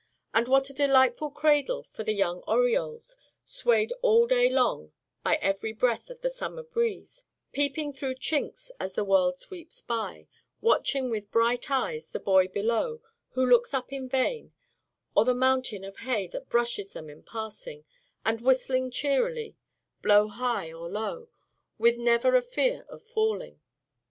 And what a delightful cradle for the young orioles, swayed all day long by every breath of the summer breeze, peeping through chinks as the world sweeps by, watching with bright eyes the boy below who looks up in vain, or the mountain of hay that brushes them in passing, and whistling cheerily, blow high or low, with never a fear of falling!